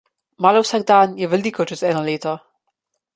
Malo vsak dan je veliko čez eno leto.